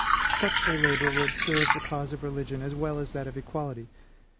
Such a labor would serve the cause of religion as well as that of equality.